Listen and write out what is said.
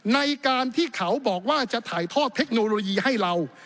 ในการที่เขาบอกว่าจะถ่ายทอดเทคโนโลยีให้เรา